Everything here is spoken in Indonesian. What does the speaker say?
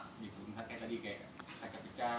kayak tadi kaca pecah